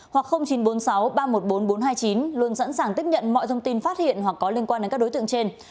hoặc chín trăm bốn mươi sáu ba trăm một mươi bốn nghìn bốn trăm hai mươi chín luôn sẵn sàng tiếp nhận mọi thông tin phát hiện hoặc có liên quan đến các đối tượng trên